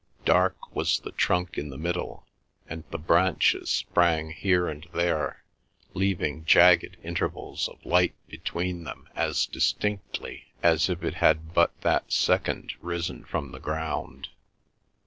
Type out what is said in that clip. Dark was the trunk in the middle, and the branches sprang here and there, leaving jagged intervals of light between them as distinctly as if it had but that second risen from the ground.